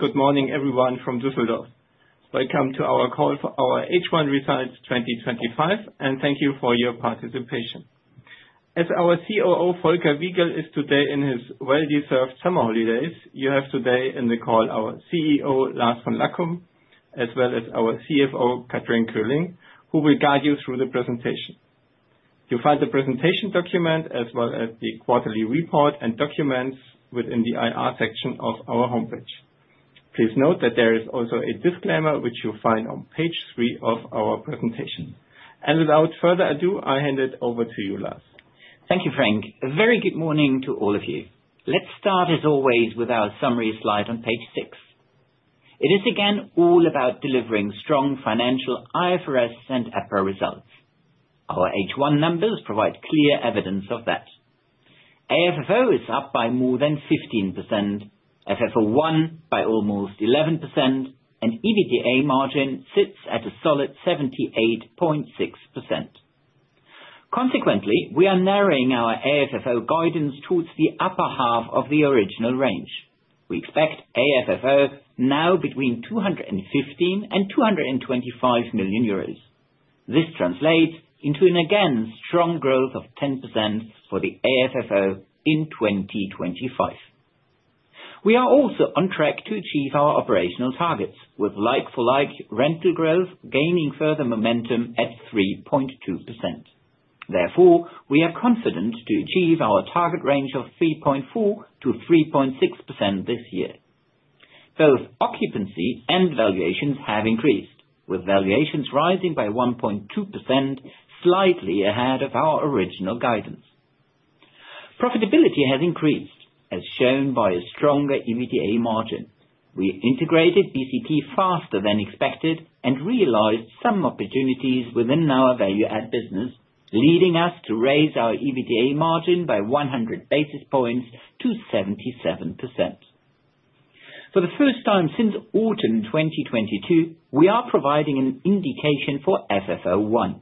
Good morning everyone from Düsseldorf. Welcome to our call for our H1 results 2025 and thank you for your participation. As our COO, Volker Wiegel, is today in his well-deserved summer holidays, you have today in the call our CEO, Lars von Lackum, as well as our CFO, Kathrin Köhling, who will guide you through the presentation. You'll find the presentation document as well as the quarterly report and documents within the IR section of our homepage. Please note that there is also a disclaimer, which you'll find on page three of our presentation. Without further ado, I hand it over to you, Lars. Thank you, Frank. A very good morning to all of you. Let's start, as always, with our summary slide on page six. It is again all about delivering strong financial IFRS and EPRA results. Our H1 numbers provide clear evidence of that. AFFO is up by more than 15%, FFO1 by almost 11%, and EBITDA margin sits at a solid 78.6%. Consequently, we are narrowing our AFFO guidance towards the upper half of the original range. We expect AFFO now between 215 million and 225 million euros. This translates into again strong growth of 10% for the AFFO in 2025. We are also on track to achieve our operational targets with like-for-like rental growth gaining further momentum at 3.2%. Therefore, we are confident to achieve our target range of 3.4%-3.6% this year. Both occupancy and valuations have increased, with valuations rising by 1.2%, slightly ahead of our original guidance. Profitability has increased, as shown by a stronger EBITDA margin. We integrated BCP faster than expected and realized some opportunities within our value add business, leading us to raise our EBITDA margin by 100 basis points to 77%. For the first time since autumn 2022, we are providing an indication for FFO1.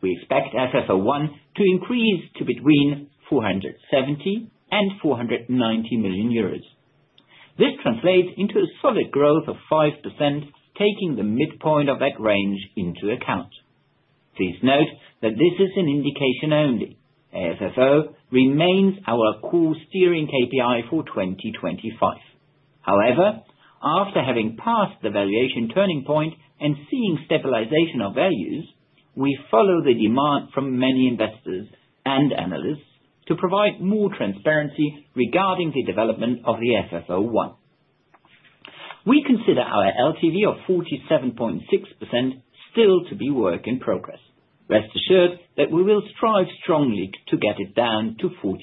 We expect FFO1 to increase to between 470 million and 490 million euros. This translates into a solid growth of 5%, taking the midpoint of that range into account. Please note that this is an indication only. AFFO remains our core steering KPI for 2025. However, after having passed the valuation turning point and seeing stabilization of values, we follow the demand from many investors and analysts to provide more transparency regarding the development of the FFO1. We consider our LTV of 47.6% still to be work in progress. Rest assured that we will strive strongly to get it down to 45%.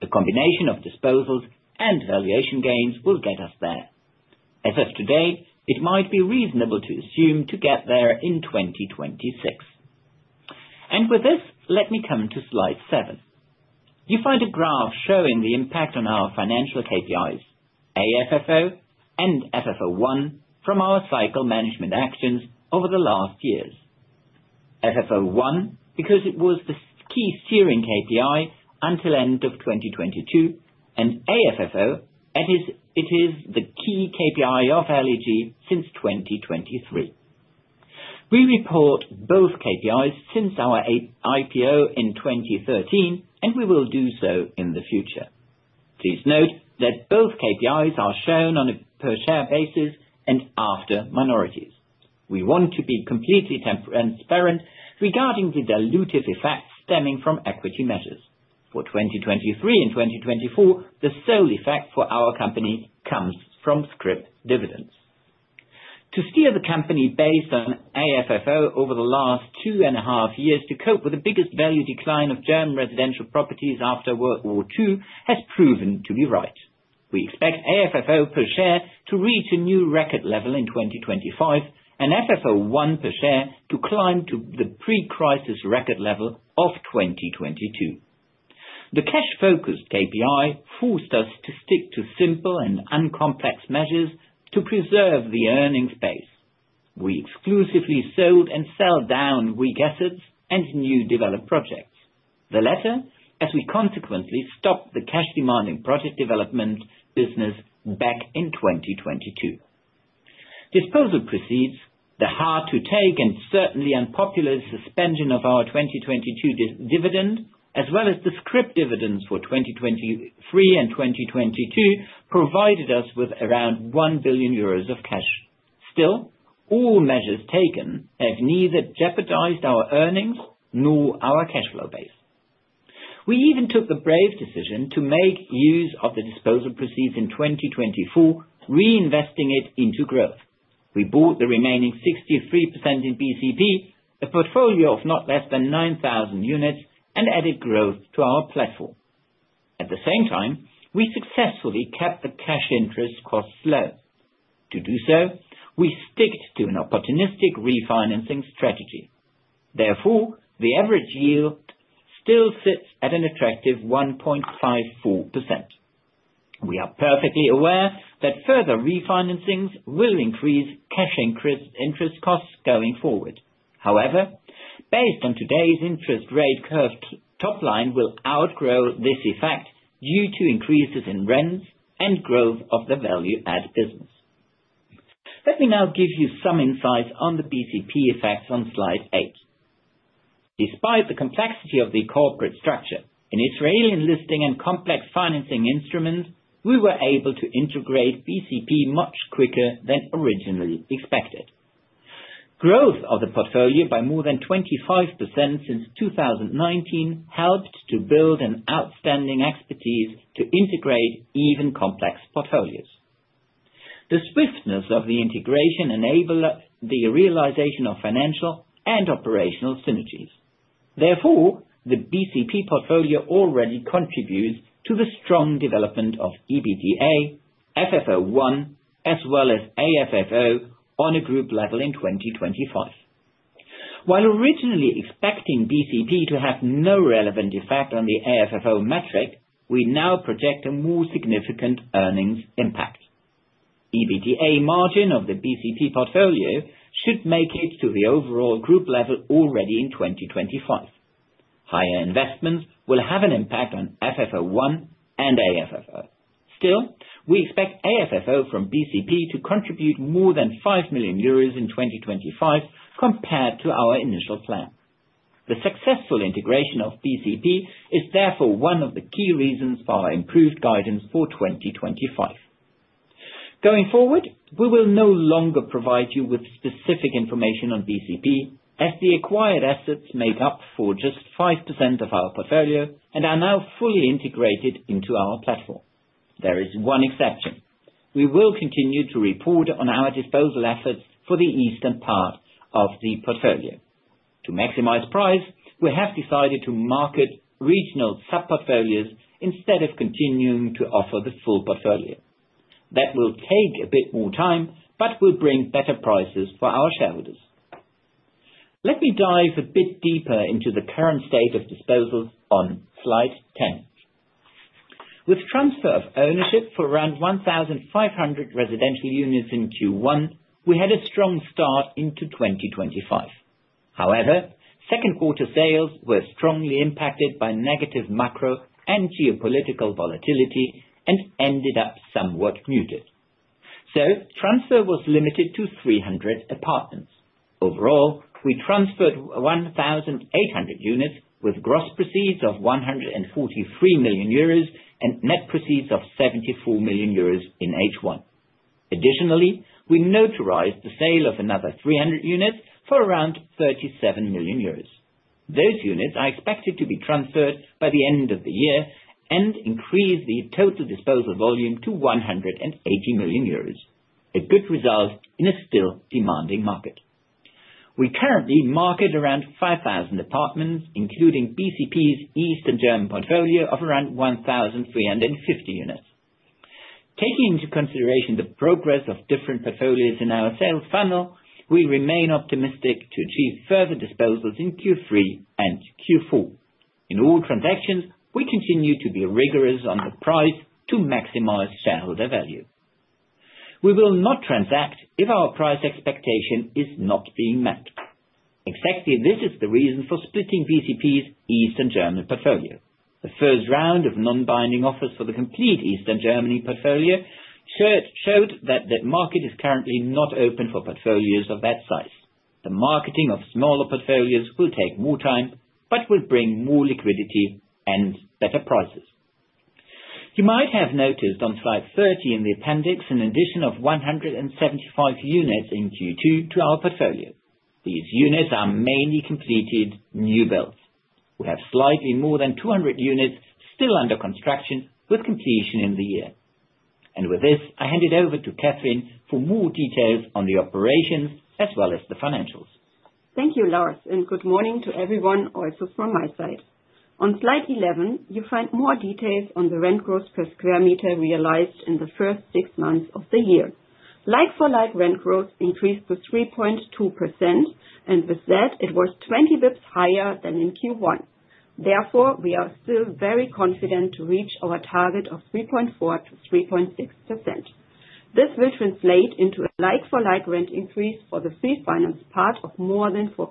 The combination of disposals and valuation gains will get us there. As of today, it might be reasonable to assume to get there in 2026. With this, let me come to slide seven. You find a graph showing the impact on our financial KPIs, AFFO and FFO1, from our cycle management actions over the last years. FFO1, because it was the key steering KPI until end of 2022, and AFFO, it is the key KPI of LEG since 2023. We report both KPIs since our IPO in 2013, and we will do so in the future. Please note that both KPIs are shown on a per share basis and after minorities. We want to be completely transparent regarding the dilutive effects stemming from equity measures. For 2023 and 2024, the sole effect for our company comes from scrip dividends. To steer the company based on AFFO over the last 2.5 years to cope with the biggest value decline of German residential properties after World War II has proven to be right. We expect AFFO per share to reach a new record level in 2025, and FFO1 per share to climb to the pre-crisis record level of 2022. The cash focused KPI forced us to stick to simple and uncomplex measures to preserve the earnings base. We exclusively sold and sell down weak assets and new developed projects. The latter, as we consequently stopped the cash demanding project development business back in 2022. Disposal proceeds, the hard to take, and certainly unpopular suspension of our 2022 dividend, as well as the scrip dividends for 2023 and 2022, provided us with around 1 billion euros of cash. Still, all measures taken have neither jeopardized our earnings nor our cash flow base. We even took the brave decision to make use of the disposal proceeds in 2024, reinvesting it into growth. We bought the remaining 63% in BCP, a portfolio of not less than 9,000 units, and added growth to our platform. At the same time, we successfully kept the cash interest costs low. To do so, we sticked to an opportunistic refinancing strategy. Therefore, the average yield still sits at an attractive 1.54%. We are perfectly aware that further refinancings will increase cash interest costs going forward. However, based on today's interest rate curve, top line will outgrow this effect due to increases in rents and growth of the value-add business. Let me now give you some insights on the BCP effects on slide eight. Despite the complexity of the corporate structure in Israeli listing and complex financing instruments, we were able to integrate BCP much quicker than originally expected. Growth of the portfolio by more than 25% since 2019 helped to build an outstanding expertise to integrate even complex portfolios. The swiftness of the integration enable the realization of financial and operational synergies. Therefore, the BCP portfolio already contributes to the strong development of EBITDA, FFO1, as well as AFFO on a group level in 2025. While originally expecting BCP to have no relevant effect on the AFFO metric, we now project a more significant earnings impact. EBITDA margin of the BCP portfolio should make it to the overall group level already in 2025. Higher investments will have an impact on FFO1 and AFFO. We expect AFFO from BCP to contribute more than 5 million euros in 2025 compared to our initial plan. The successful integration of BCP is one of the key reasons for our improved guidance for 2025. Going forward, we will no longer provide you with specific information on BCP as the acquired assets make up for just 5% of our portfolio and are now fully integrated into our platform. There is one exception. We will continue to report on our disposal efforts for the eastern part of the portfolio. To maximize price, we have decided to market regional sub-portfolios instead of continuing to offer the full portfolio. That will take a bit more time but will bring better prices for our shareholders. Let me dive a bit deeper into the current state of the disposal on slide 10. Which transfer of ownership from around 1,500 residential units in Q1, we had a strong start into 2025. However, second quarter sales were strongly impacted by negative macro and geopolitical volatility and ended up somewhat muted. So, transfer was limited to 300 apartments. Overall, we transferred 1,800 units with gross proceeds of 143 million euros and net proceeds of 74 million euros in H1. Additionally, we notarized the sale of another 300 units for around 37 million euros. Those units are expected to be transferred by the end of the year and increase the total disposal volume to 180 million euros. A good result in a still demanding market. We currently market around 5,000 apartments, including BCP's Eastern German portfolio of around 1,350 units. Taking into consideration the progress of different portfolios in our sales funnel, we remain optimistic to achieve further disposals in Q3 and Q4. In all transactions, we continue to be rigorous on the price to maximize shareholder value. We will not transact if our price expectation is not being met. Exactly this is the reason for splitting BCP's Eastern German portfolio. The first round of non-binding offers for the complete Eastern Germany portfolio showed that market is currently not open for portfolios of that size. The marketing of smaller portfolios will take more time but will bring more liquidity and better prices. You might have noticed on slide 30 in the appendix an addition of 175 units in Q2 to our portfolio. These units are mainly completed new builds. We have slightly more than 200 units still under construction with completion in the year. With this, I hand it over to Kathrin for more details on the operations as well as the financials. Thank you, Lars. Good morning to everyone also from my side. On slide 11, you find more details on the rent growth per square meter realized in the first six months of the year. Like-for-like rent growth increased to 3.2%. With that, it was 20 basis points higher than in Q1. Therefore, we are still very confident to reach our target of 3.4% to 3.6%. This will translate into a like-for-like rent increase for the free-financed part of more than 4%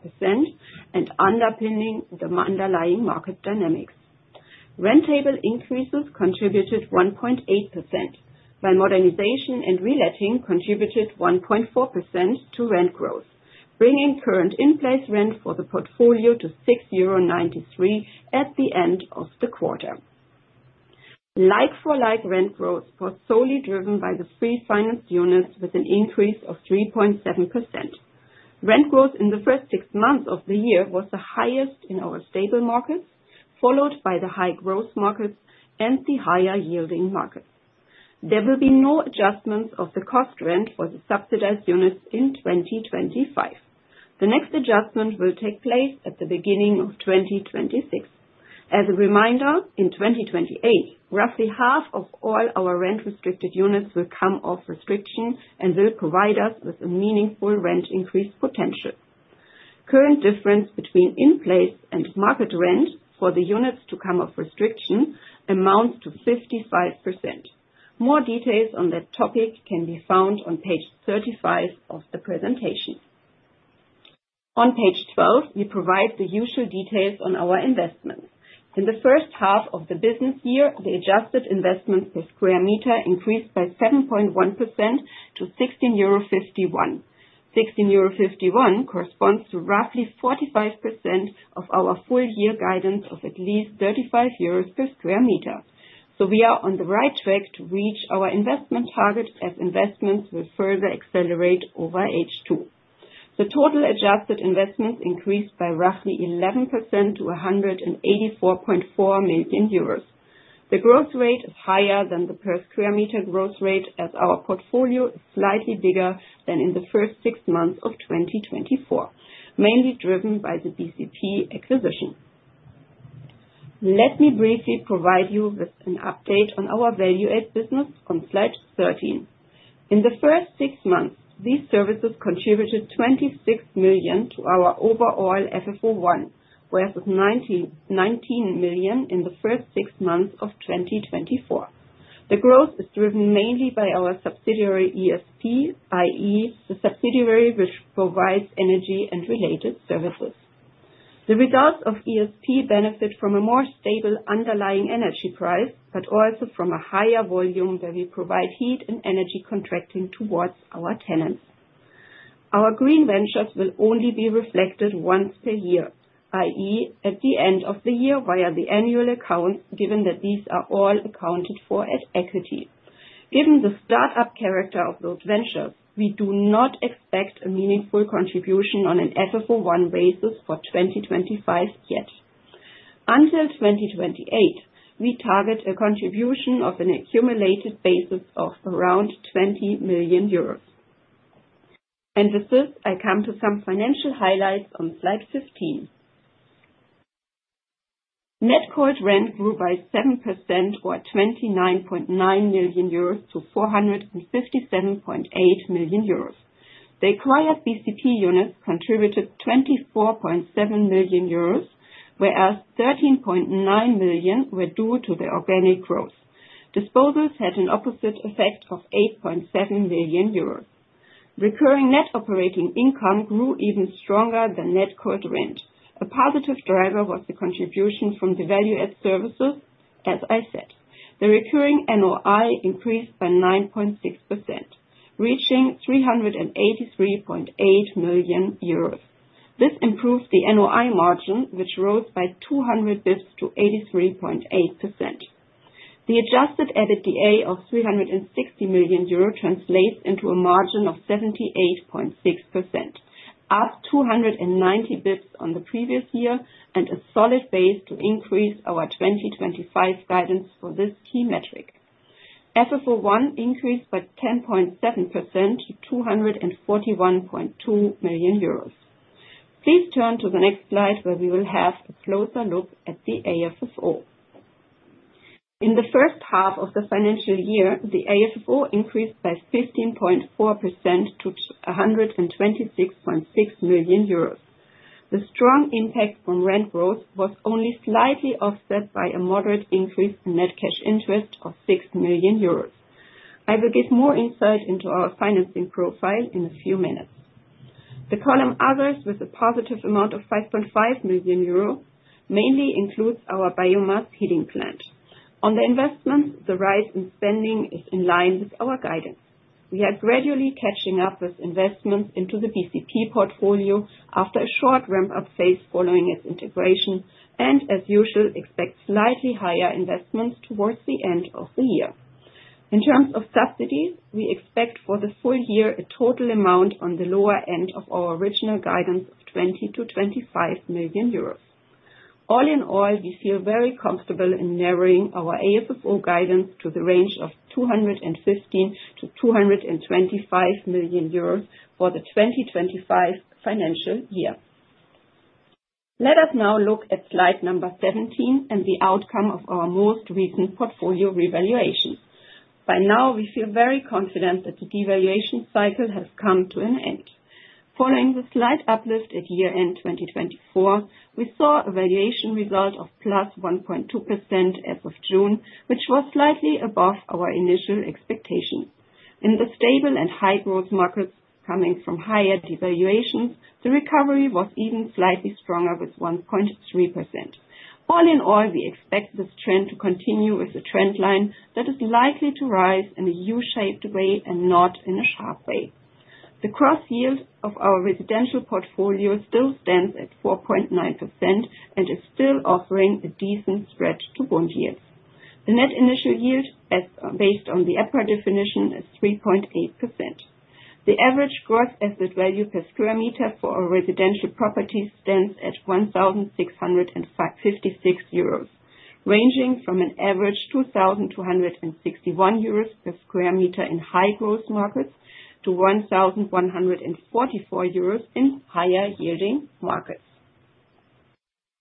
underpinning the underlying market dynamics. Rentable increases contributed 1.8%, while modernization and reletting contributed 1.4% to rent growth, bringing current in-place rent for the portfolio to 6.93 euro at the end of the quarter. Like-for-like rent growth was solely driven by the free-financed units with an increase of 3.7%. Rent growth in the first six months of the year was the highest in our stable markets, followed by the high growth markets and the higher yielding markets. There will be no adjustments of the cost rent for the subsidized units in 2025. The next adjustment will take place at the beginning of 2026. As a reminder, in 2028, roughly half of all our rent-restricted units will come off restriction and will provide us with a meaningful rent increase potential. Current difference between in-place and market rent for the units to come off restriction amounts to 55%. More details on that topic can be found on page 35 of the presentation. On page 12, we provide the usual details on our investment. In the first half of the business year, the adjusted investment per square meter increased by 7.1% to 16.51 euro. 16.51 euro corresponds to roughly 45% of our full year guidance of at least 35 euros per sq m. We are on the right track to reach our investment target as investments will further accelerate over H2. The total adjusted investments increased by roughly 11% to 184.4 million euros. The growth rate is higher than the per square meter growth rate, as our portfolio is slightly bigger than in the first six months of 2024, mainly driven by the BCP acquisition. Let me briefly provide you with an update on our value add business on slide 13. In the first six months, these services contributed 26 million to our overall FFO1, whereas of 19 million in the first six months of 2024. The growth is driven mainly by our subsidiary, ESP, i.e., the subsidiary which provides energy and related services. The results of ESP benefit from a more stable underlying energy price, but also from a higher volume where we provide heat and energy contracting towards our tenants. Our green ventures will only be reflected once per year, i.e., at the end of the year via the annual account, given that these are all accounted for at equity. Given the start-up character of those ventures, we do not expect a meaningful contribution on an FFO1 basis for 2025 yet. Until 2028, we target a contribution of an accumulated basis of around 20 million euros. With this, I come to some financial highlights on slide 15. Net cold rent grew by 7% or 29.9 million euros to 457.8 million euros. The acquired BCP units contributed 24.7 million euros, whereas 13.9 million were due to the organic growth. Disposals had an opposite effect of 8.7 million euros. Recurring net operating income grew even stronger than net cold rent. A positive driver was the contribution from the value add services, as I said. The recurring NOI increased by 9.6%, reaching 383.8 million euros. This improved the NOI margin, which rose by 200 basis points to 83.8%. The adjusted EBITDA of EUR 360 million translates into a margin of 78.6%, up 290 basis points on the previous year and a solid base to increase our 2025 guidance for this key metric. FFO1 increased by 10.7% to 241.2 million euros. Please turn to the next slide where we will have a closer look at the AFFO. In the first half of the financial year, the AFFO increased by 15.4% to 126.6 million euros. The strong impact from rent growth was only slightly offset by a moderate increase in net cash interest of 6 million euros. I will give more insight into our financing profile in a few minutes. The column others, with a positive amount of 5.5 million euro, mainly includes our biomass heating plant. On the investment, the rise in spending is in line with our guidance. We are gradually catching up with investments into the BCP portfolio after a short ramp-up phase following its integration, and as usual, expect slightly higher investments towards the end of the year. In terms of subsidies, we expect for the full year a total amount on the lower end of our original guidance of 20 million-25 million euros. All in all, we feel very comfortable in narrowing our AFFO guidance to the range of 215 million-225 million euros for the 2025 financial year. Let us now look at slide number 17 and the outcome of our most recent portfolio revaluation. By now, we feel very confident that the devaluation cycle has come to an end. Following the slight uplift at year-end 2024, we saw a valuation result of plus 1.2% as of June, which was slightly above our initial expectations. In the stable and high growth markets coming from higher devaluations, the recovery was even slightly stronger with 1.3%. All in all, we expect this trend to continue with the trend line that is likely to rise in a U-shaped way and not in a sharp way. The gross yield of our residential portfolio still stands at 4.9% and is still offering a decent spread to bond yields. The net initial yield, based on the EPRA definition, is 3.8%. The average gross asset value per square meter for our residential properties stands at 1,656 euros, ranging from an average 2,261 euros per sq m in high growth markets to 1,144 euros in higher yielding markets.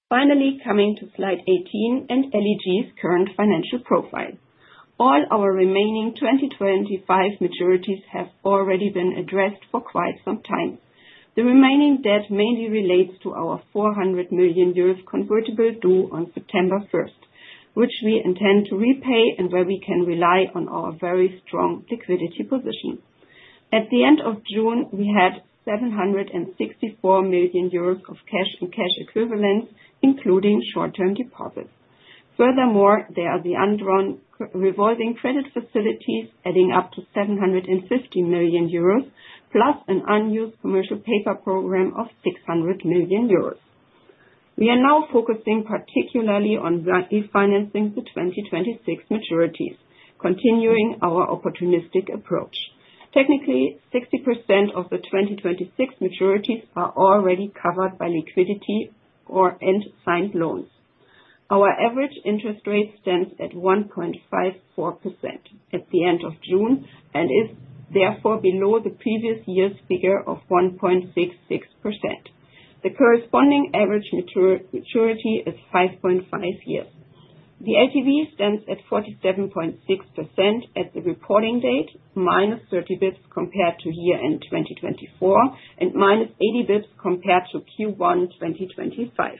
Finally, coming to slide 18 and LEG's current financial profile. All our remaining 2025 maturities have already been addressed for quite some time. The remaining debt mainly relates to our 400 million euros convertible due on September 1st, which we intend to repay and where we can rely on our very strong liquidity position. At the end of June, we had 764 million euros of cash and cash equivalents, including short-term deposits. Furthermore, there are the undrawn revolving credit facilities adding up to 750 million euros, plus an unused commercial paper program of 600 million euros. We are now focusing particularly on refinancing the 2026 maturities, continuing our opportunistic approach. Technically, 60% of the 2026 maturities are already covered by liquidity or end signed loans. Our average interest rate stands at 1.54% at the end of June, and is therefore below the previous year's figure of 1.66%. The corresponding average maturity is 5.5 years. The LTV stands at 47.6% at the reporting date, -30 basis points compared to year-end 2024, and -80 basis points compared to Q1 2025.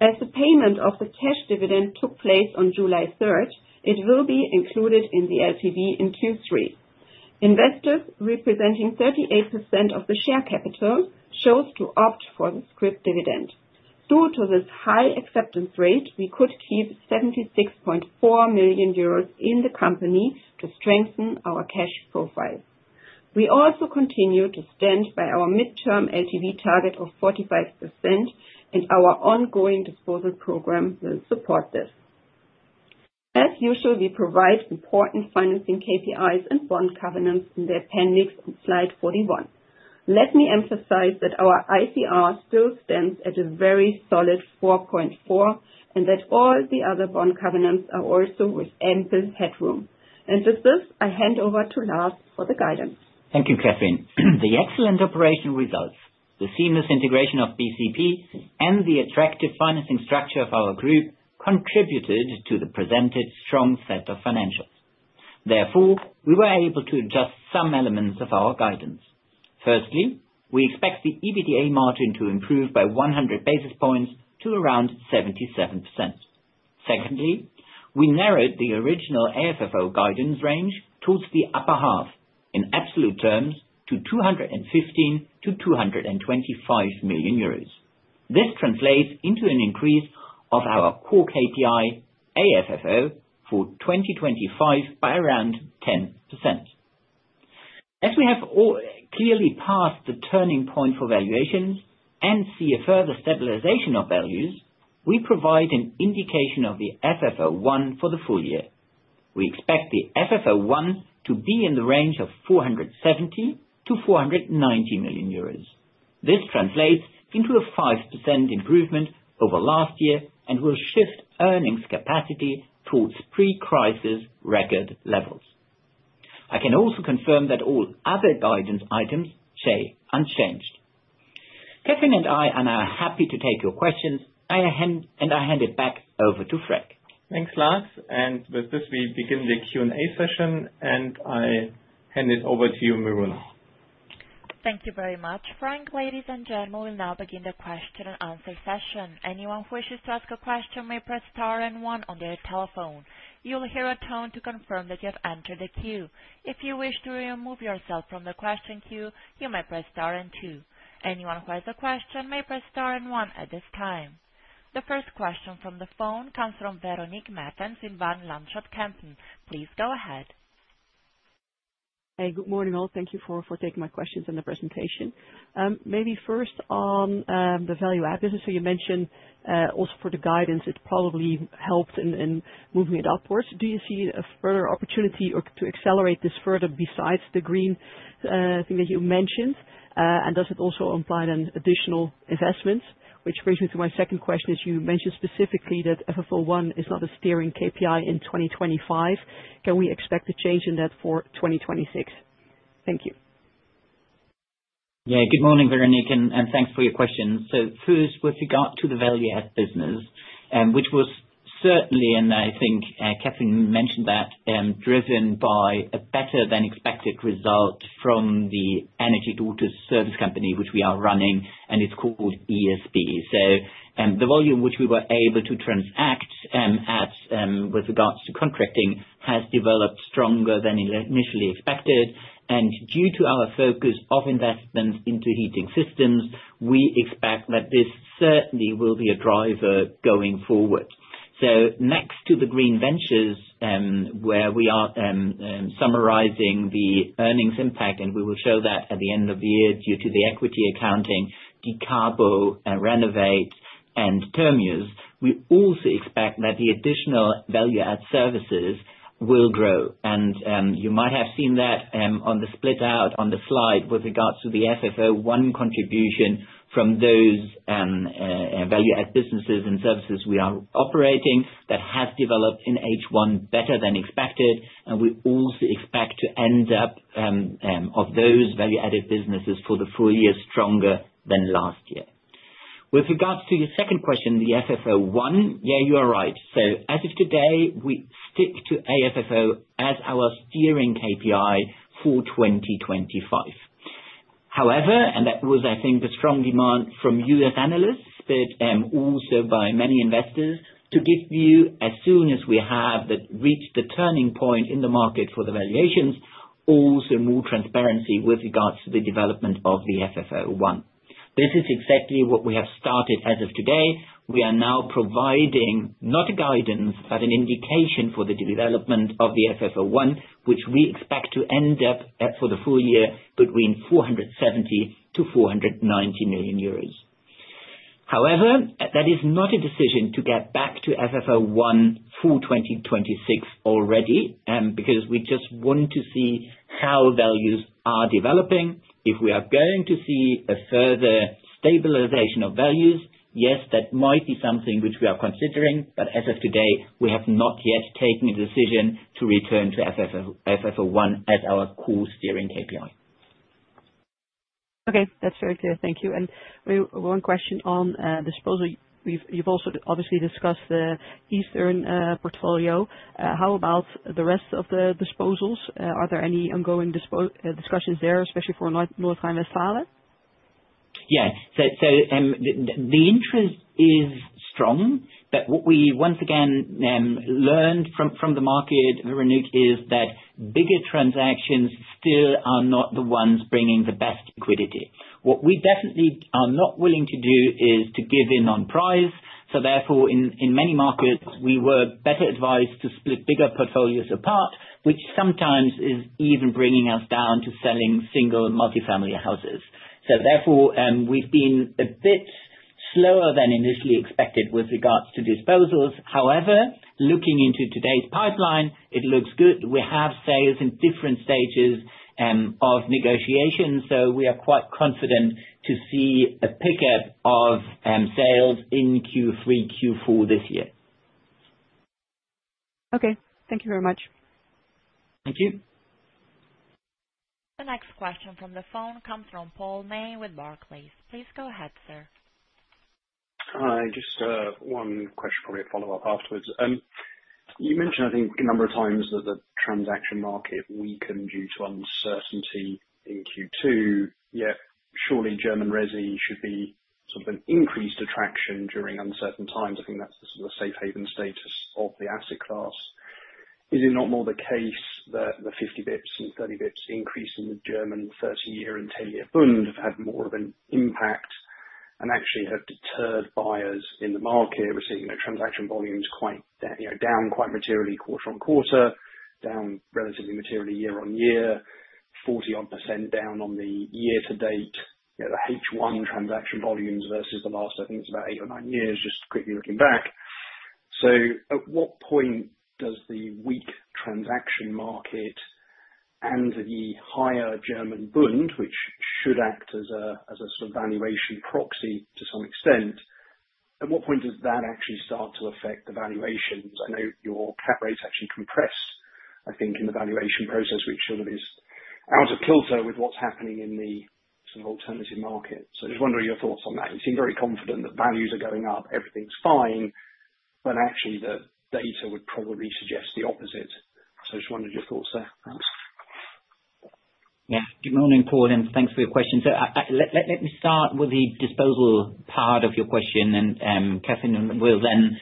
As the payment of the cash dividend took place on July 3rd, it will be included in the LTV in Q3. Investors representing 38% of the share capital chose to opt for the scrip dividend. Due to this high acceptance rate, we could keep 76.4 million euros in the company to strengthen our cash profile. We also continue to stand by our mid-term LTV target of 45%, and our ongoing disposal program will support this. As usual, we provide important financing KPIs and bond covenants in the appendix on slide 41. Let me emphasize that our ICR still stands at a very solid 4.4, that all the other bond covenants are also with ample headroom. With this, I hand over to Lars for the guidance. Thank you, Kathrin. The excellent operational results, the seamless integration of BCP, and the attractive financing structure of our group contributed to the presented strong set of financials. Therefore, we were able to adjust some elements of our guidance. Firstly, we expect the EBITDA margin to improve by 100 basis points to around 77%. Secondly, we narrowed the original AFFO guidance range towards the upper half in absolute terms to 215 million-225 million euros. This translates into an increase of our core KPI, AFFO, for 2025 by around 10%. As we have clearly passed the turning point for valuations and see a further stabilization of values, we provide an indication of the FFO1 for the full year. We expect the FFO1 to be in the range of 470 million-490 million euros. This translates into a 5% improvement over last year and will shift earnings capacity towards pre-crisis record levels. I can also confirm that all other guidance items stay unchanged. Kathrin and I are now happy to take your questions. I hand it back over to Frank. Thanks, Lars. With this, we begin the Q&A session, and I hand it over to you, [Miruna. Thank you very much, Frank. Ladies and gentlemen, we now begin the question and answer session. Anyone who wishes to ask a question may press star and one on their telephone. You will hear a tone to confirm that you have entered the queue. If you wish to remove yourself from the question queue, you may press star and two. Anyone who has a question may press star and one at this time. The first question from the phone comes from Véronique Meertens in Van Lanschot Kempen. Please go ahead. Hey. Good morning, all. Thank you for taking my questions and the presentation. First on the value add business. You mentioned also for the guidance, it probably helped in moving it upwards. Do you see a further opportunity to accelerate this further besides the green thing that you mentioned? Does it also imply an additional investments? Which brings me to my second question is, you mentioned specifically that FFO1 is not a steering KPI in 2025. Can we expect a change in that for 2026? Thank you. Yeah. Good morning, Véronique, and thanks for your question. First, with regard to the value add business, which was certainly, and I think Kathrin mentioned that, driven by a better than expected result from the energy daughter service company, which we are running, and it's called ESP. So, the volume which we were able to transact at with regards to contracting has developed stronger than initially expected. Due to our focus of investments into heating systems, we expect that this certainly will be a driver going forward. Next to the green ventures, where we are summarizing the earnings impact, and we will show that at the end of the year due to the equity accounting, dekarbo, RENOWATE, and termios, we also expect that the additional value add services will grow. You might have seen that on the split out on the slide with regards to the FFO1 contribution from those value add businesses and services we are operating that has developed in H1 better than expected. We also expect to end up, of those value-added businesses for the full year, stronger than last year. With regards to your second question, the FFO1. Yeah, you are right. As of today, we stick to AFFO as our steering KPI for 2025. However, and that was, I think, the strong demand from you as analysts, but also by many investors to give you, as soon as we have reached the turning point in the market for the valuations, also more transparency with regards to the development of the FFO1. This is exactly what we have started as of today. We are now providing not a guidance, but an indication for the development of the FFO1, which we expect to end up at for the full year between 470 million-490 million euros. However, that is not a decision to get back to FFO1 full 2026 already, because we just want to see how values are developing. If we are going to see a further stabilization of values, yes, that might be something which we are considering, but as of today, we have not yet taken a decision to return to FFO1 as our core steering KPI. Okay, that's very clear. Thank you. And one question on disposal. You've also obviously discussed the Eastern portfolio. How about the rest of the disposals? Are there any ongoing discussions there, especially for Nordrhein-Westfalen? Yeah. The interest is strong, but what we once again learned from the market, Véronique, is that bigger transactions still are not the ones bringing the best liquidity. What we definitely are not willing to do is to give in on price. Therefore, in many markets, we were better advised to split bigger portfolios apart, which sometimes is even bringing us down to selling single and multi-family houses. Therefore, we've been a bit slower than initially expected with regards to disposals. However, looking into today's pipeline, it looks good. We have sales in different stages of negotiations, so we are quite confident to see a pickup of sales in Q3, Q4 this year. Okay. Thank you very much. Thank you. The next question from the phone comes from Paul May with Barclays. Please go ahead, sir. Hi. Just one question, probably a follow-up afterwards. You mentioned, I think, a number of times that the transaction market weakened due to uncertainty in Q2, yet surely German resi should be sort of an increased attraction during uncertain times. I think that's the safe haven status of the asset class. Is it not more the case that the 50 basis points and 30 basis points increase in the German 30-year and 10-year Bund have had more of an impact, and actually have deterred buyers in the market? We're seeing transaction volumes down quite materially quarter-on-quarter, down relatively materially year-on-year, 40 odd percent down on the year to date, the H1 transaction volumes versus the last, I think it's about eight or nine years, just quickly looking back. At what point does the weak transaction market and the higher German Bund, which should act as a sort of valuation proxy to some extent, at what point does that actually start to affect the valuations? I know your cap rates actually compress, I think, in the valuation process, which sort of is out of kilter with what's happening in the sort of alternative market. Just wondering your thoughts on that. You seem very confident that values are going up, everything's fine, when actually the data would probably suggest the opposite. Just wondered your thoughts there. Thanks. Good morning, Paul, and thanks for your question. Let me start with the disposal part of your question and Kathrin will then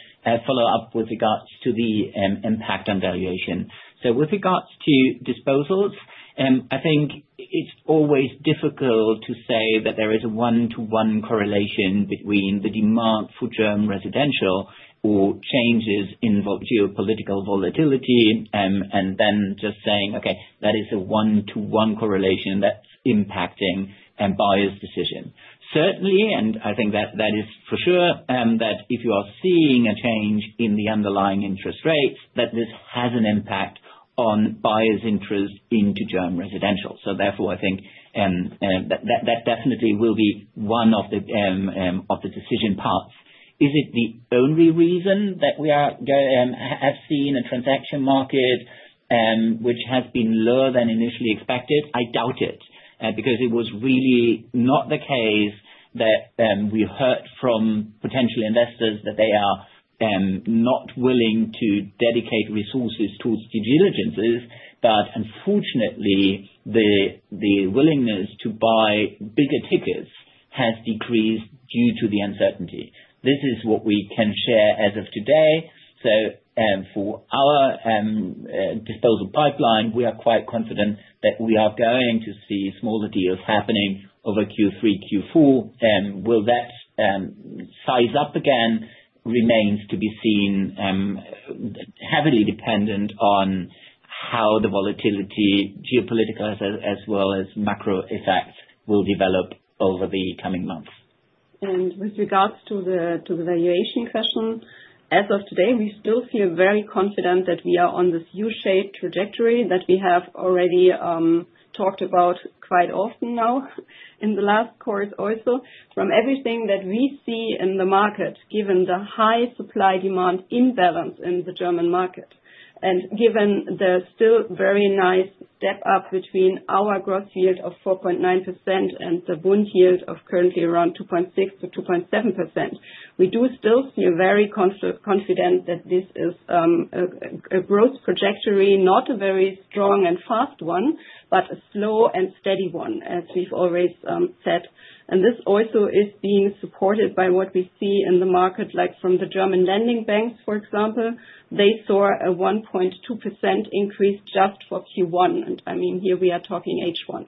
follow up with regards to the impact on valuation. With regards to disposals, I think it's always difficult to say that there is a one-to-one correlation between the demand for German residential or changes in geopolitical volatility, and then just saying, "Okay, that is a one-to-one correlation that's impacting a buyer's decision." Certainly, I think that is for sure, that if you are seeing a change in the underlying interest rates, that this has an impact on buyers' interest into German residential. Therefore, I think that definitely will be one of the decision paths. Is it the only reason that we have seen a transaction market which has been lower than initially expected? I doubt it. It was really not the case that we heard from potential investors that they are not willing to dedicate resources towards due diligences, but unfortunately, the willingness to buy bigger tickets has decreased due to the uncertainty. This is what we can share as of today. For our disposal pipeline, we are quite confident that we are going to see smaller deals happening over Q3, Q4. Will that size up again remains to be seen, heavily dependent on how the volatility, geopolitical as well as macro effects, will develop over the coming months. With regards to the valuation question, as of today, we still feel very confident that we are on this U-shaped trajectory that we have already talked about quite often now in the last quarter also. From everything that we see in the market, given the high supply-demand imbalance in the German market, given the still very nice step up between our gross yield of 4.9% and the Bund yield of currently around 2.6%-2.7%, we do still feel very confident that this is a growth trajectory, not a very strong and fast one, but a slow and steady one, as we've always said. This also is being supported by what we see in the market, like from the German lending banks, for example. They saw a 1.2% increase just for Q1. I mean, here we are talking H1.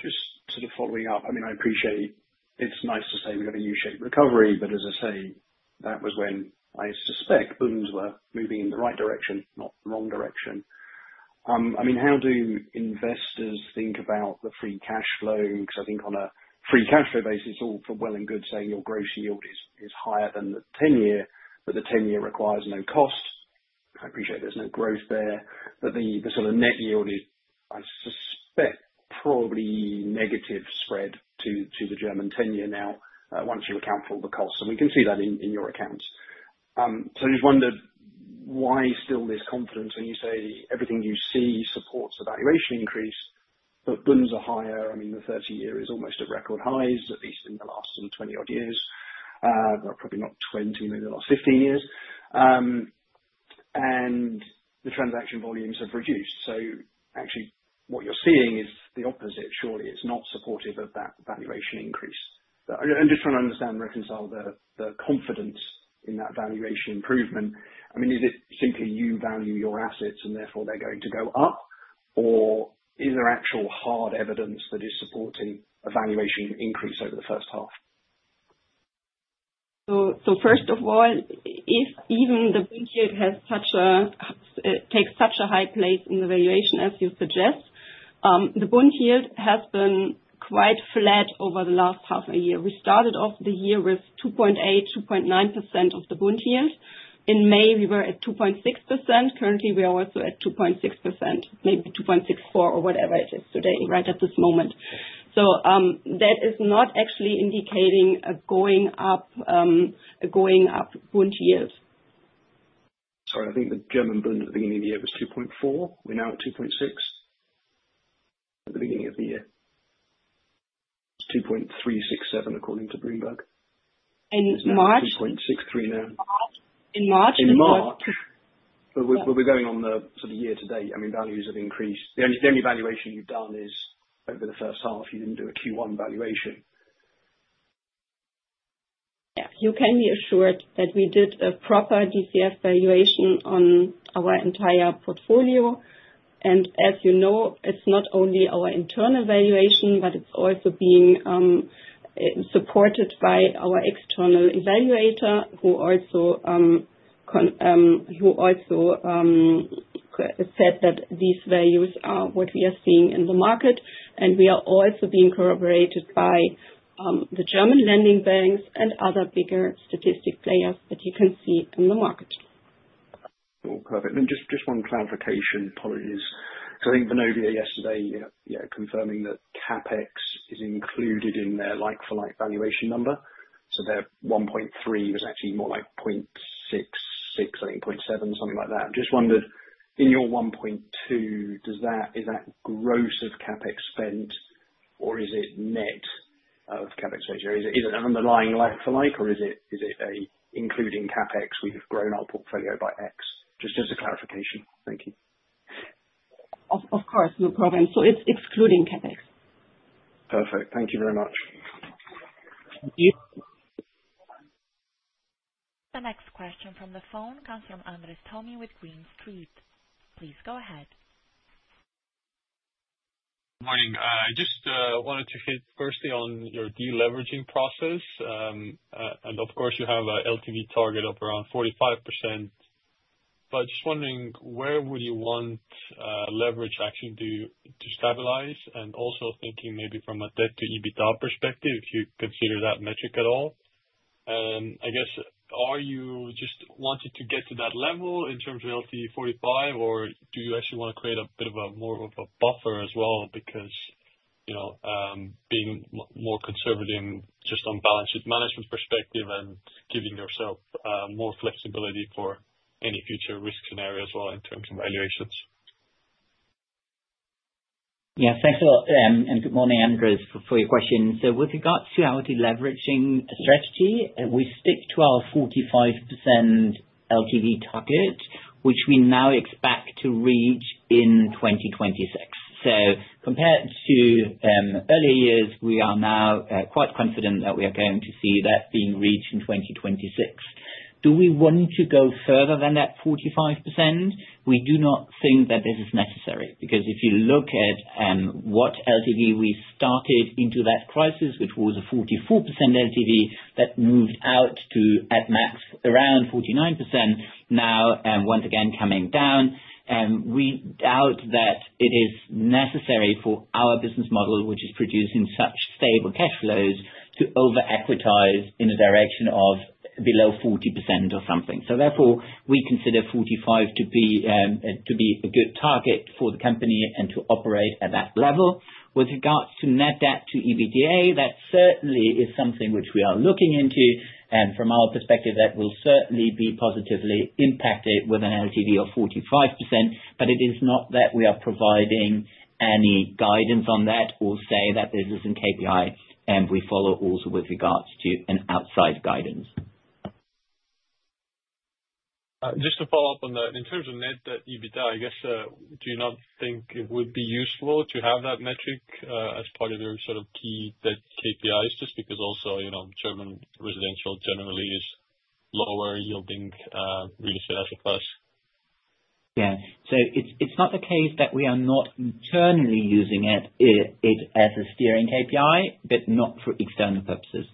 Just sort of following up. I appreciate it's nice to say we've got a U-shaped recovery, that was when I suspect Bunds were moving in the right direction, not the wrong direction. How do investors think about the free cash flow? I think on a free cash flow basis, it's all well and good saying your gross yield is higher than the 10-year, the 10-year requires no cost. I appreciate there's no growth there. The net yield is, I suspect, probably negative spread to the German 10-year now, once you account for all the costs. We can see that in your accounts. I just wondered why still this confidence when you say everything you see supports a valuation increase, Bunds are higher. The 30-year is almost at record highs, at least in the last 20 odd years. Well, probably not 20, maybe the last 15 years. The transaction volumes have reduced. Actually what you're seeing is the opposite, surely. It's not supportive of that valuation increase. I'm just trying to understand and reconcile the confidence in that valuation improvement. Is it simply you value your assets and therefore they're going to go up? Is there actual hard evidence that is supporting a valuation increase over the first half? First of all, if even the Bund yield takes such a high place in the valuation as you suggest, the Bund yield has been quite flat over the last half a year. We started off the year with 2.8%, 2.9% of the Bund yield. In May, we were at 2.6%. Currently, we are also at 2.6%. Maybe 2.64% or whatever it is today, right at this moment. That is not actually indicating a going up Bund yields. Sorry, I think the German Bund at the beginning of the year was 2.4%. We're now at 2.6%. At the beginning of the year. It's 2.367% according to Bloomberg. In March? It's now at 2.63% now. In March it was. In March. We're going on the year-to-date. Values have increased. The only valuation you've done is over the first half. You didn't do a Q1 valuation. Yeah. You can be assured that we did a proper DCF valuation on our entire portfolio. As you know, it's not only our internal valuation, but it's also being supported by our external evaluator, who also said that these values are what we are seeing in the market, and we are also being corroborated by the German lending banks and other bigger statistic players that you can see in the market. Cool. Perfect. Then just one clarification, apologies. I think Vonovia yesterday, confirming that CapEx is included in their like-for-like valuation number. Their 1.3 was actually more like 0.66, I think, 0.7, something like that. Just wondered, in your 1.2, is that gross of CapEx spend or is it net of CapEx? Is it an underlying like-for-like, or is it a including CapEx, we've grown our portfolio by X? Just as a clarification. Thank you. Of course. No problem. It's excluding CapEx. Perfect. Thank you very much. Thank you. The next question from the phone comes from Andres Toome with Green Street. Please go ahead. Morning. I just wanted to hit firstly on your de-leveraging process. Of course, you have an LTV target of around 45%, but just wondering where would you want leverage actually to stabilize? Also thinking maybe from a debt to EBITDA perspective, if you consider that metric at all. I guess, are you just wanting to get to that level in terms of LTV 45%, or do you actually want to create a bit of a more of a buffer as well because being more conservative just on balance sheet management perspective and giving yourself more flexibility for any future risk scenario as well in terms of valuations? Yeah, thanks a lot, and good morning, Andres, for your question. With regards to our de-leveraging strategy, we stick to our 45% LTV target, which we now expect to reach in 2026. Compared to earlier years, we are now quite confident that we are going to see that being reached in 2026. Do we want to go further than that 45%? We do not think that this is necessary because if you look at what LTV we started into that crisis, which was a 44% LTV that moved out to at max around 49%, now once again coming down, we doubt that it is necessary for our business model, which is producing such stable cash flows to over-equitize in a direction of below 40% or something. Therefore, we consider 45% to be a good target for the company and to operate at that level. With regards to Net Debt to EBITDA, that certainly is something which we are looking into. From our perspective, that will certainly be positively impacted with an LTV of 45%, but it is not that we are providing any guidance on that or say that this is in KPI. We follow also with regards to an outsize guidance. Just to follow up on that, in terms of Net Debt to EBITDA, I guess, do you not think it would be useful to have that metric as part of your key debt KPIs, just because also German residential generally is lower yielding real estate asset class? Yeah. It's not the case that we are not internally using it as a steering KPI, but not for external purposes.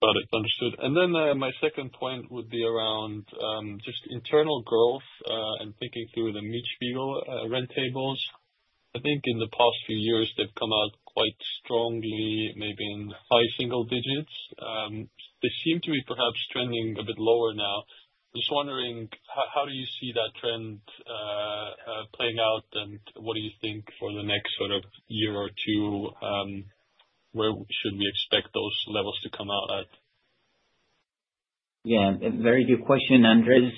Got it. Understood. My second point would be around just internal growth, and thinking through the Mietspiegel rent tables. I think in the past few years, they've come out quite strongly, maybe in high single digits. They seem to be perhaps trending a bit lower now. Just wondering, how do you see that trend playing out, and what do you think for the next year or two, where should we expect those levels to come out at? A very good question, Andres.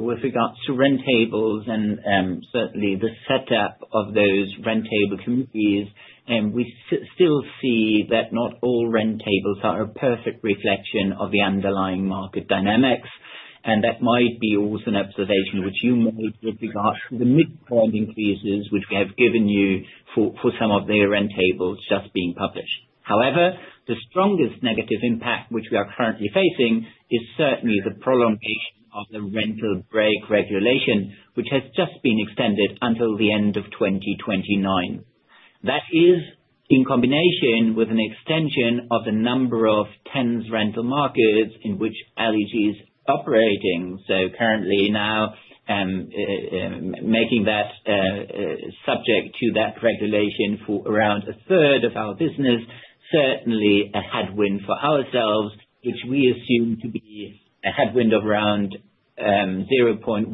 With regards to rent tables and certainly the setup of those rent table communities, we still see that not all rent tables are a perfect reflection of the underlying market dynamics. That might be also an observation which you made with regards to the mid-term increases, which we have given you for some of their rent tables just being published. However, the strongest negative impact which we are currently facing is certainly the prolongation of the Rental Brake Regulation, which has just been extended until the end of 2029. That is in combination with an extension of a number of tens rental markets in which LEG is operating. Currently now, making that subject to that regulation for around a third of our business, certainly a headwind for ourselves, which we assume to be a headwind of around 0.1%-0.2%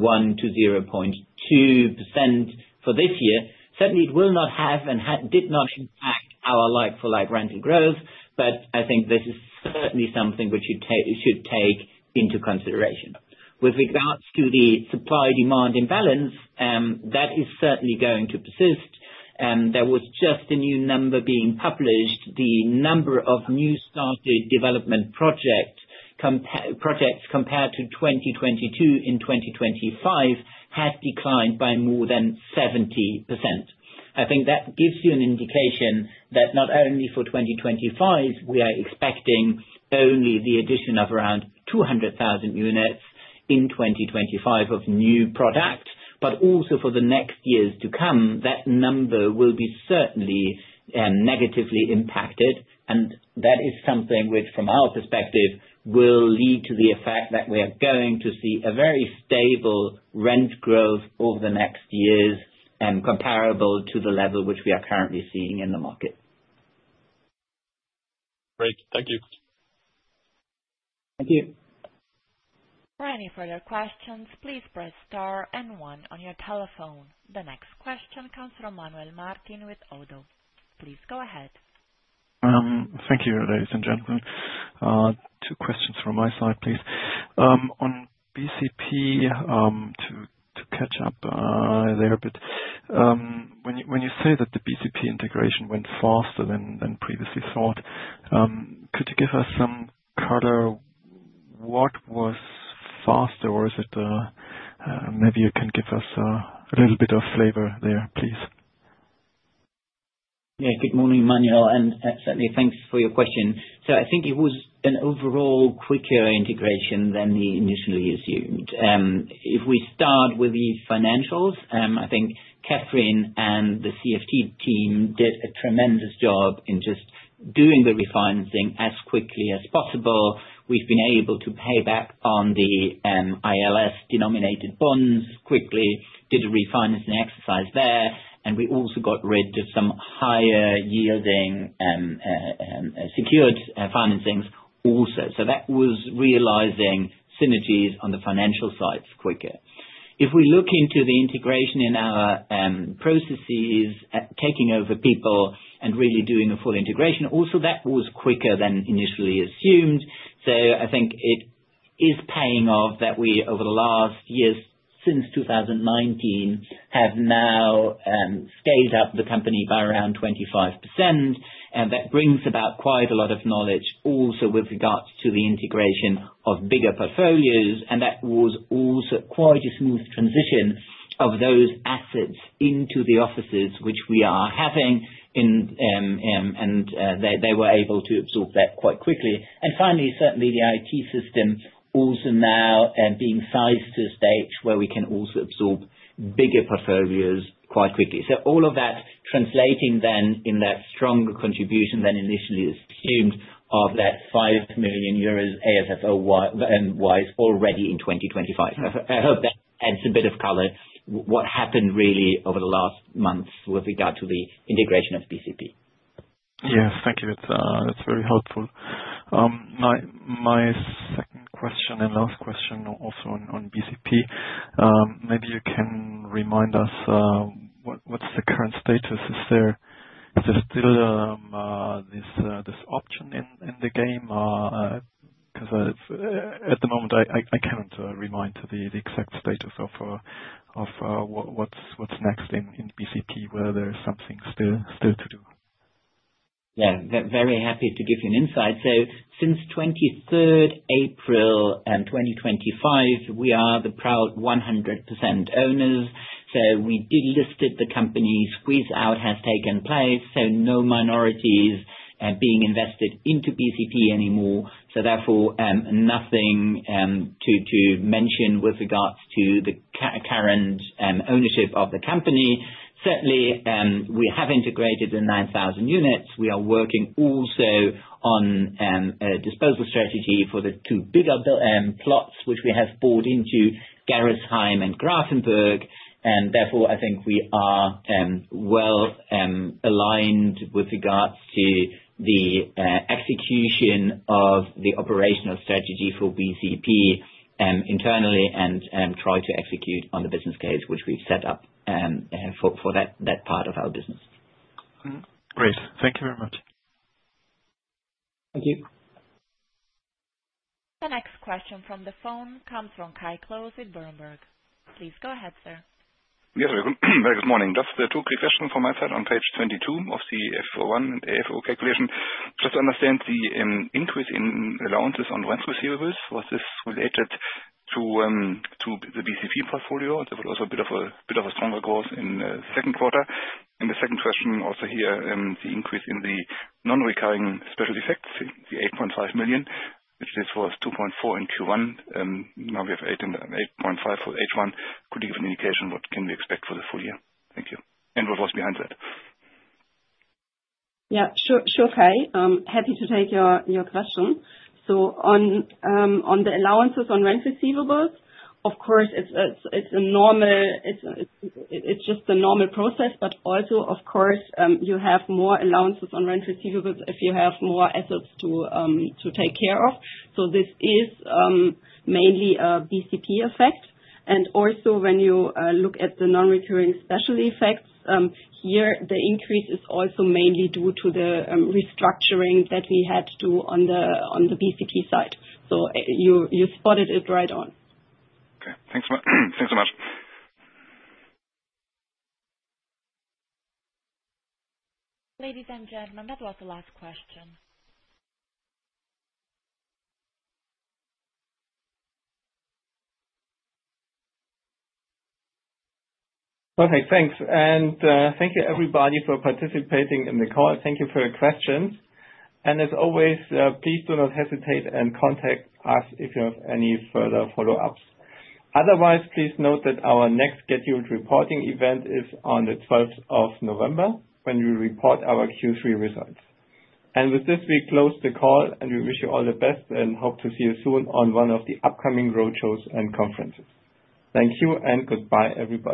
for this year. Certainly, it will not have and did not impact our like-for-like rental growth, this is certainly something which you should take into consideration. With regards to the supply-demand imbalance, that is certainly going to persist. There was just a new number being published. The number of new started development projects compared to 2022 and 2025 had declined by more than 70%. I think that gives you an indication that not only for 2025, we are expecting only the addition of around 200,000 units in 2025 of new product, also for the next years to come, that number will be certainly negatively impacted. That is something which, from our perspective, will lead to the effect that we are going to see a very stable rent growth over the next years, comparable to the level which we are currently seeing in the market. Great. Thank you. Thank you. For any further questions, please press star and one on your telephone. The next question comes from Manuel Martin with ODDO. Please go ahead. Thank you, ladies and gentlemen. Two questions from my side, please. On BCP, to catch up there a bit. When you say that the BCP integration went faster than previously thought, could you give us some color? What was faster? Or is it maybe you can give us a little bit of flavor there, please. Good morning, Manuel, and certainly, thanks for your question. I think it was an overall quicker integration than we initially assumed. If we start with the financials, I think Kathrin and the CFO team did a tremendous job in just doing the refinancing as quickly as possible. We've been able to pay back on the ILS denominated bonds quickly, did a refinancing exercise there, and we also got rid of some higher yielding secured financings also. That was realizing synergies on the financial sides quicker. If we look into the integration in our processes, taking over people and really doing a full integration also that was quicker than initially assumed. I think it is paying off that we, over the last years, since 2019, have now scaled up the company by around 25%, and that brings about quite a lot of knowledge also with regards to the integration of bigger portfolios, and that was also quite a smooth transition of those assets into the offices which we are having, and they were able to absorb that quite quickly. Finally, certainly the IT system also now being sized to a stage where we can also absorb bigger portfolios quite quickly. All of that translating then in that stronger contribution than initially assumed of that 5 million euros AFFO-wise already in 2025. I hope that adds a bit of color what happened really over the last months with regard to the integration of BCP. Yes, thank you. That's very helpful. My second question and last question also on BCP. Maybe you can remind us what's the current status. Is there still this option in the game? Because at the moment, I cannot recall the exact status of what's next in BCP, whether there is something still to do. Very happy to give you an insight. Since 23rd April 2025, we are the proud 100% owners. We delisted the company, squeeze-out has taken place, no minorities being invested into BCP anymore. Therefore, nothing to mention with regards to the current ownership of the company. Certainly, we have integrated the 9,000 units. We are working also on a disposal strategy for the two bigger plots which we have bought into, Gerresheim and Grafenberg. Therefore, I think we are well aligned with regards to the execution of the operational strategy for BCP internally and try to execute on the business case which we've set up for that part of our business. Great. Thank you very much. Thank you. The next question from the phone comes from Kai Klose in Berenberg. Please go ahead, sir. Yes. Good morning. Just two quick questions from my side. On page 22 of the FFO1 and AFFO calculation, just to understand the increase in allowances on rent receivables, was this related to the BCP portfolio? There was also a bit of a stronger growth in the second quarter. The second question also here, the increase in the non-recurring special effects, the 8.5 million, which this was 2.4 million in Q1, now we have 8.5 million for H1. Could you give an indication what can we expect for the full year? Thank you. What was behind that? Yeah. Sure, Kai. Happy to take your question. On the allowances on rent receivables, of course, it's just a normal process, but also, of course, you have more allowances on rent receivables if you have more assets to take care of. This is mainly a BCP effect. Also, when you look at the non-recurring special effects, here the increase is also mainly due to the restructuring that we had to on the BCP side. You spotted it right on. Okay. Thanks so much. Ladies and gentlemen, that was the last question. Okay, thanks. Thank you everybody for participating in the call. Thank you for your questions. As always, please do not hesitate and contact us if you have any further follow-ups. Otherwise, please note that our next scheduled reporting event is on the 12th of November, when we report our Q3 results. With this, we close the call, and we wish you all the best, and hope to see you soon on one of the upcoming roadshows and conferences. Thank you and goodbye, everybody